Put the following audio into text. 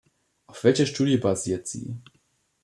Auf welcher Studie basiert sie?